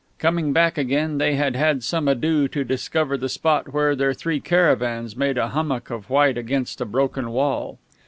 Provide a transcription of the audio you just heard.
Coming back again, they had had some ado to discover the spot where their three caravans made a hummock of white against a broken wall.